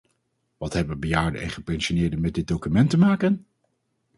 Wat hebben bejaarden en gepensioneerden met dit document te maken?